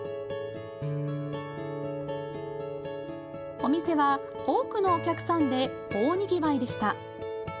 お店は多くのお客さんで大にぎわいでした。